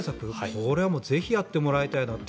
これはもうぜひやってもらいたいなと。